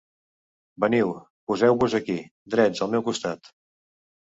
Veniu, poseu-vos aquí, drets al meu costat.